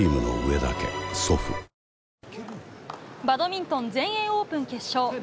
バドミントン全英オープン決勝。